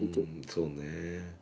そうね。